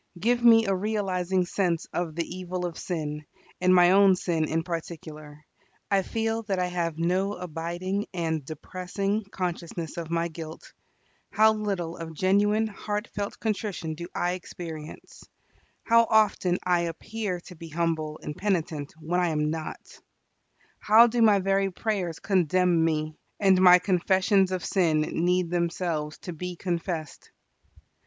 Give me a realizing sense of the evil of sin, and my own sin in particular. I feel that I have no abiding and depressing consciousness of my guilt. How little of genuine, heartfelt contrition do I experience! How often I appear to be humble and penitent when I am not! How do my very prayers condemn me; and my confessions of sin need themselves to be confessed!